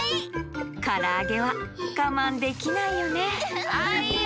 からあげはがまんできないよねはいよ。